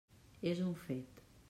És un fet.